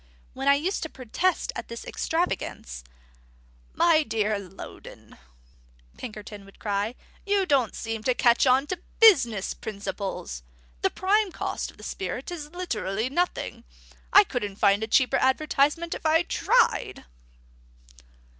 When I used to protest at this extravagance, "My dear Loudon," Pinkerton would cry, "you don't seem to catch on to business principles! The prime cost of the spirit is literally nothing. I couldn't find a cheaper advertisement if I tried."